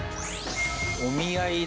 お見合いだ。